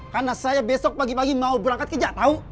karena saya besok pagi pagi mau berangkat kerja tahu